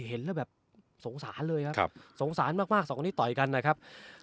เห็นแล้วแบบสงสารเลยครับสงสารมากสองคนนี้ต่อยกันนะครับ